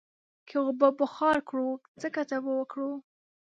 که اوبه بخار کړو، څه گټه به وکړو؟